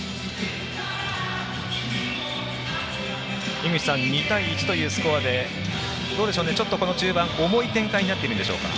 井口さん、２対１というスコアでちょっと、この中盤重い展開になっているんでしょうか？